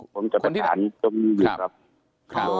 ผมจะประสานตรงนี้ครับ